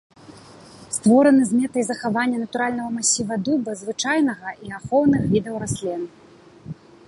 Створаны з мэтай захавання натуральнага масіва дуба звычайнага і ахоўных відаў раслін.